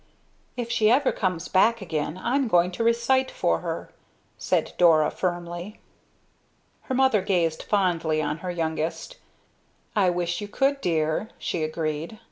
"If she ever comes back again, I'm going to recite for her," said, Dora, firmly. Her mother gazed fondly on her youngest. "I wish you could, dear," she agreed.